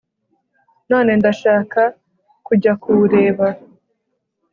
None ndashaka kujya kuwureba